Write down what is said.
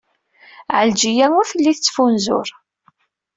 Ɛelǧiya ur telli tettfunzur.